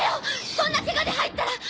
そんなケガで入ったら。